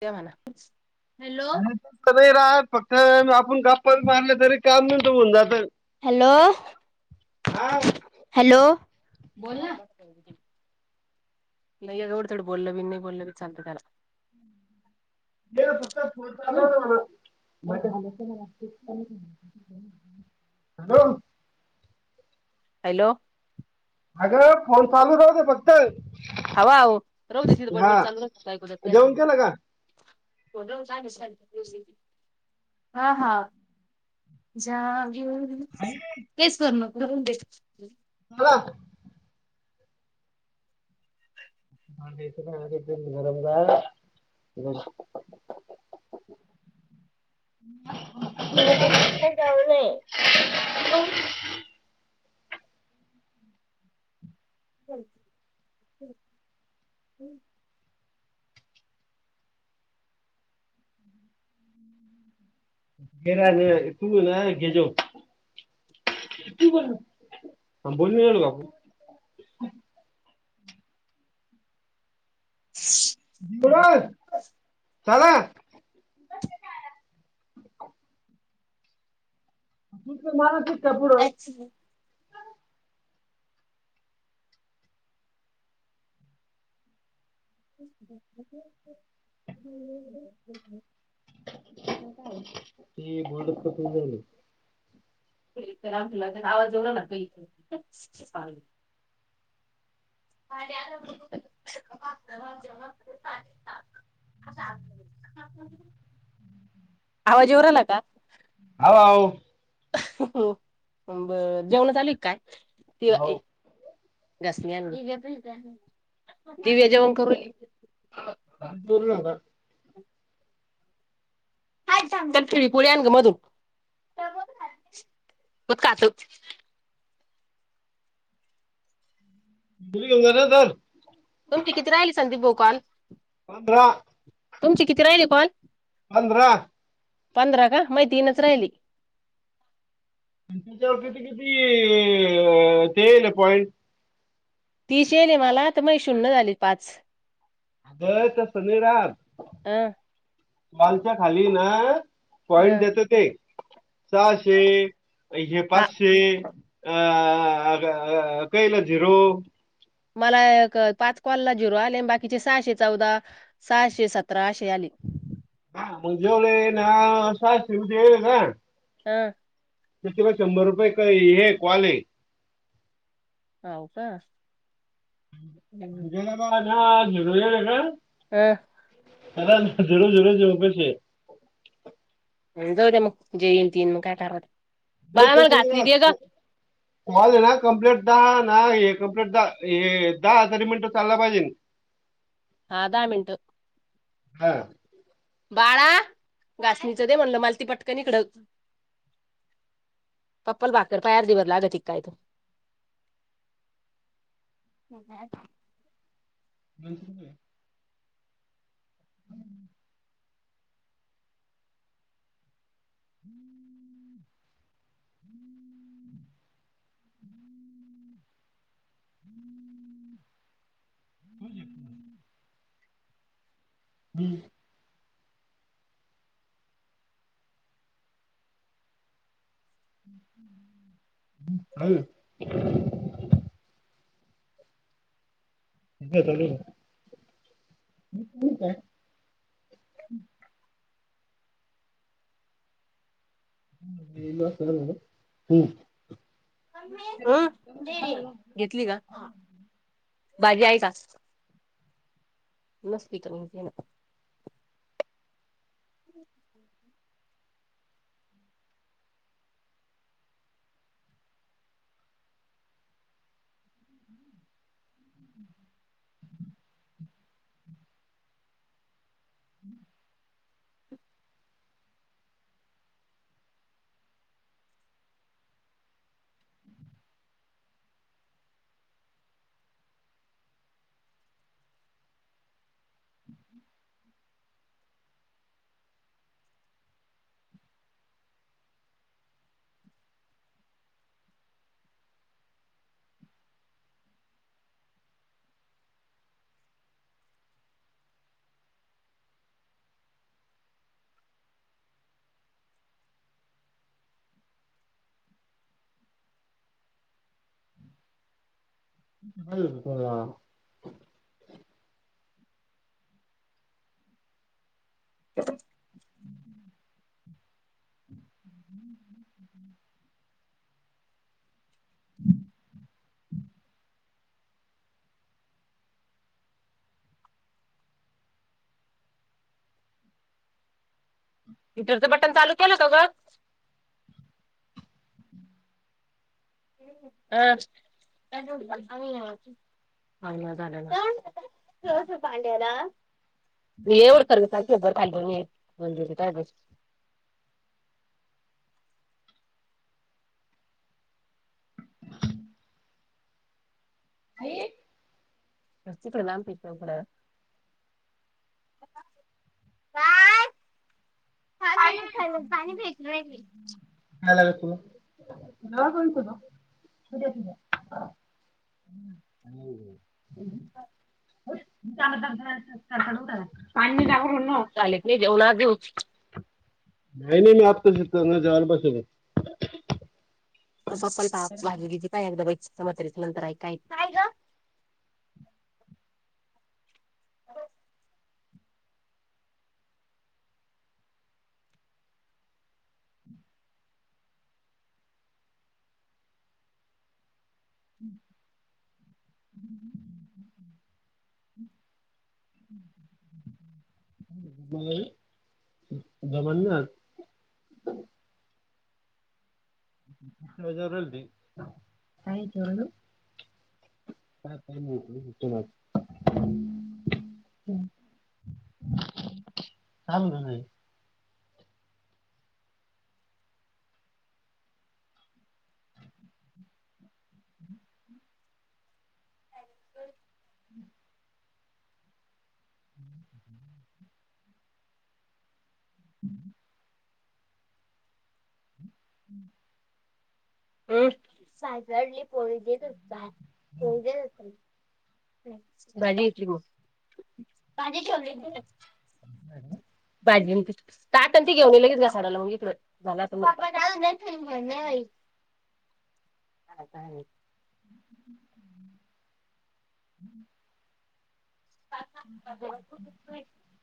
क म्ह्हाणाच. अ नाही राह फक्त आपण गप्पा मारलं तरी काम न होऊन जात. हॅलो हा हॅलो. बोल ना नाही आहे गवढं थोडं बोललं बी नाही बोललं बी चालतं त्याला. फक्त पता नत. माझ. हॅलो. अगे फोन चालू राहते फक्त. हवा रू त तथ हा बडबड चालूऐक. जेवण केलं का हा हा. तेच करण करून देत. ह [unintelligible] [unintelligible] [unintelligible] सठ जाऊ. [unintelligible] घेरा रं तू ना घेजो. तु बोल बोल झाल बा बरं. चालं तु मार अच्छ. ह [inaudible] ते बोडतस झाल. तर आमुला आवाज जवला नका इथ. [unintelligible] आवाजेवर आला का. हो. हो ब जेवण झाली काय ते्हा. हाव दसण्या दिव्याजवन करू. [unintelligible] [unintelligible] [unintelligible] [unintelligible] तुमची किती राहील संदीप भोकाल. पंधरा तुमची किती राहिले कॉल पंधरा पंधरा का महि तीनच राहिली. त्याच्यावर किती किती अ ते येईल पॉइंट? तीशेल मला तर मग शून्य झाले पाच. आगय तस नाही रात अ मालच्या खाली ना - - पॉइंट ह देतो ते सहाशे इशे हा पाचशे. अ अगं कयला झिरू. मला पाच कॉलला झिरो आले आणि बाकीचे सहाशे चौदा, सहाशे सतरा अशे आले. ब म्हणजेवले ना असा शिव देल का हा. त्या ते प शंभर रुपये का हे कॉलये. होव का. ह ज ना झगर. अर जरूर जरूर ज मकश जाऊ द्या मग जयंती म काटार नाही तस नाही ना कॉल आहे ना कंप्लेंट द ना हे कंप्लीट द दहा हजारी मिनटं चालला पाहिजे. हा. धाहा मिनट. हा. बाळा घासणीचं दे म्हणलं मला ती पटकन इकड. पप्पल बाकड पाया अर्दी बर लाग तिक काय तो - - [inaudible] [unintelligible] हम्म. हम्म. [unintelligible] हम्म. ह [unintelligible] [unintelligible] चालु [unintelligible] काय? हल वा हम् हं घेतली का बाजी आहे का नमस्तते कर ना ह हम् [unintelligible] [unintelligible] ह् हम्. हिटरचं बटन चालू केलं कागं? अ [unintelligible] [unintelligible] एवढ कर. शबर खाल म्हंद आई. स्तकडेला पच कड काय? ताई, नाय लागत तु. ना कर कोल - - हम् ह ह द पा ला चालेत नाही जेऊ ना घेऊ नाही नाही मी आताच जाल पास पप्पल पा भाजी घतीे पाय एकम समतरीस नंतरऐकायय का हम् हम् जमन ना [unintelligible] [inaudible] बजल काय [unintelligible] [inaudible] का का नाही [unintelligible] [inaudible] ल घ [inaudible] [unintelligible] [inaudible] अ हम्म हम्म ह हम्म हम्म हम् साजरली पोळी देत होत पोळी देत हो भाजीली बी पाडाट घेऊन लगेच ग ाला मग इ झाला त बर ह का हम् [unintelligible] [inaudible] हम्म हम्म हम् ह् ह [unintelligible]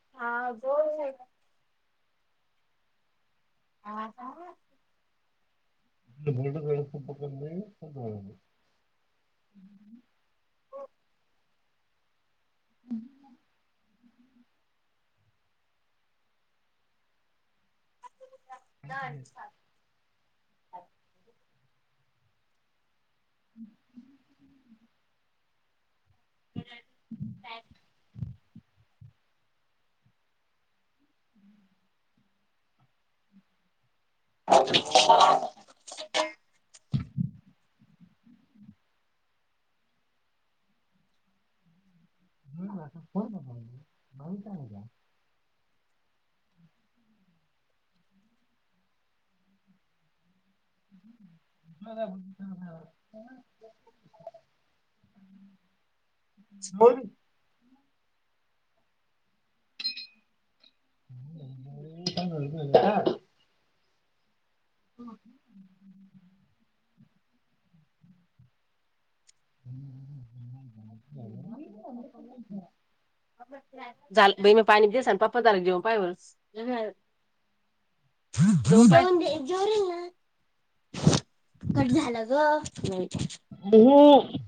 [inaudible] हो [unintelligible] [inaudible] हा का बरड वेळे संप कपळ हम्म [unintelligible] [inaudible] ह [unintelligible] [inaudible] [unintelligible] [unintelligible] [inaudible] [inaudible] बोल [inaudible] [unintelligible] [unintelligible] [unintelligible] [unintelligible] [inaudible] हो [unintelligible] [unintelligible] [inaudible] ह् [unintelligible] [inaudible] प तार जेऊ पाय ब [unintelligible] [inaudible] जोर ना [unintelligible] [inaudible] [unintelligible] [unintelligible] [unintelligible] [inaudible] क झालं ग [unintelligible] [unintelligible] [inaudible] म [unintelligible] [inaudible]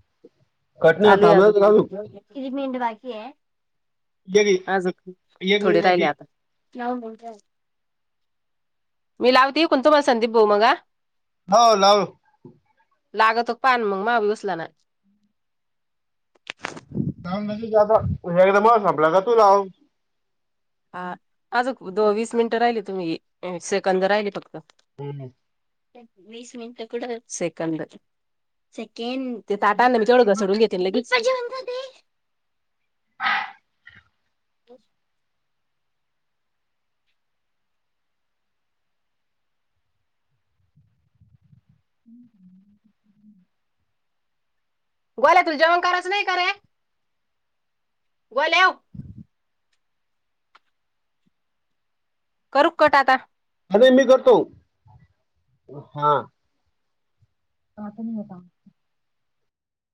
चालू या तू किती मींड बाकी आहे [unintelligible] एक [unintelligible] [inaudible] आज एक थोडे मिनिट बाकी राहिले आता [unintelligible] [unintelligible] [inaudible] [unintelligible] ला बोल मी लावते कोुण तु मला संदीप भाऊ मगा [unintelligible] [inaudible] [unintelligible] हो लाव [inaudible] [inaudible] [unintelligible] लागत हो पान मग मगभ बसला ना [inaudible] [inaudible] [unintelligible] द ज एकदा बार सप ला का तू लाव [inaudible] [unintelligible] [unintelligible] [unintelligible] हा अज दो वीस मिनिटं राहिली तुम्ही सेकंद राहिले फक्त [unintelligible] वीस मिनिटं कुठ सेकंड न ते ताटाना मी तेवढं घसडून घेतेन लगेच [unintelligible] [unintelligible] गोल्या तूज जेवण जेवण करायचं नाही का रे गोल्याव. करू कट आता नाही मी करतो हा [inaudible]